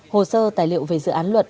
hồ sơ tài liệu về dự án luật